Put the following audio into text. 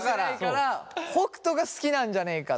北斗が好きなんじゃねえかと。